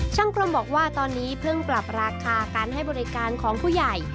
กรมบอกว่าตอนนี้เพิ่งปรับราคาการให้บริการของผู้ใหญ่